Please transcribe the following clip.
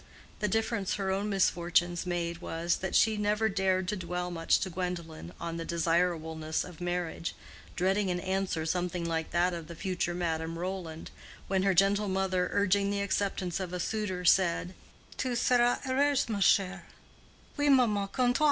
The difference her own misfortunes made was, that she never dared to dwell much to Gwendolen on the desirableness of marriage, dreading an answer something like that of the future Madame Roland, when her gentle mother urging the acceptance of a suitor, said, "Tu seras heureuse, ma chère." "Oui, maman, comme toi."